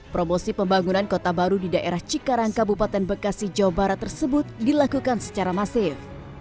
promosi pembangunan kota baru di daerah cikarang kabupaten bekasi jawa barat tersebut dilakukan secara masif